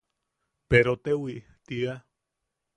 Perotewi tiia.